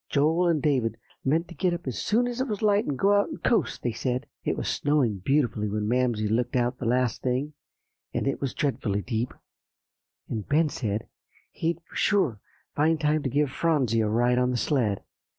Joel and David meant to get up as soon as it was light and go out and coast, they said. It was snowing beautifully when Mamsie looked out the last thing, and it was dreadfully deep, and Ben said he'd be sure to find time to give Phronsie a ride on the sled.